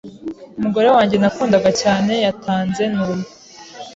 umugore wanjye nakundaga cyane yatanze numva